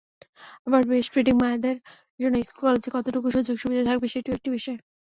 আবার ব্রেস্টফিডিং মায়েদের জন্য স্কুলে-কলেজে কতটুকু সুযোগ-সুবিধা থাকবে, সেটিও একটি বিষয়।